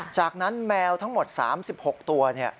จากนั้นแมวทั้งหมด๓๖ตัว